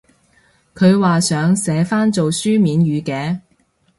佢話想寫返做書面語嘅？